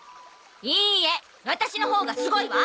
いいえワタシのほうがすごいわ。